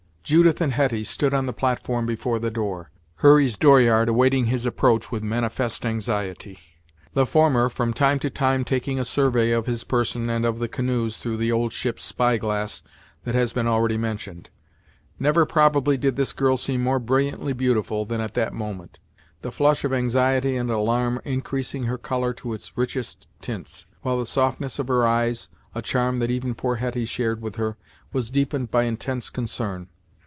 Judith and Hetty stood on the platform before the door, Hurry's dooryard awaiting his approach with manifest anxiety; the former, from time to time, taking a survey of his person and of the canoes through the old ship's spyglass that has been already mentioned. Never probably did this girl seem more brilliantly beautiful than at that moment; the flush of anxiety and alarm increasing her color to its richest tints, while the softness of her eyes, a charm that even poor Hetty shared with her, was deepened by intense concern.